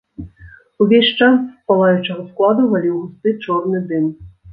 Увесь час з палаючага складу валіў густы чорны дым.